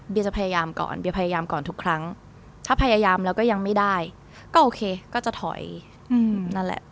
จะพยายามก่อนเบียพยายามก่อนทุกครั้งถ้าพยายามแล้วก็ยังไม่ได้ก็โอเคก็จะถอยนั่นแหละ